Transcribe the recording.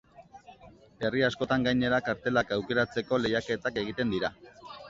Herri askotan, gainera, kartelak aukeratzeko lehiaketak egiten dira.